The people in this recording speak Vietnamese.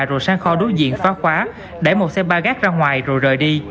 rồi sang kho đối diện phá khóa đẩy một xe bagage ra ngoài rồi rời đi